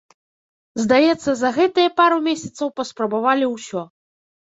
Здаецца за гэтыя пару месяцаў паспрабавалі ўсё.